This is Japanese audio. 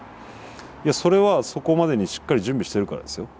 それはそこまでにしっかり準備しているからですよ。